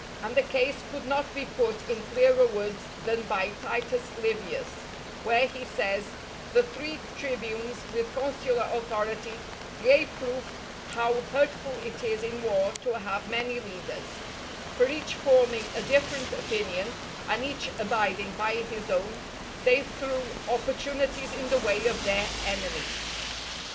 And the case could not be put in clearer words than by Titus Livius, where he says, "_The three tribunes with consular authority gave proof how hurtful it is in war to have many leaders; for each forming a different opinion, and each abiding by his own, they threw opportunities in the way of their enemies.